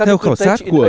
theo khảo sát của